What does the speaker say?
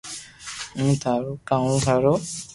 ھون ٿارو ھارو